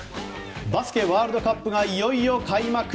バスケワールドカップがいよいよ開幕！